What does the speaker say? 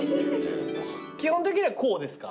基本的にはこうですか？